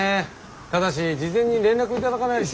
ただし事前に連絡を頂かないと。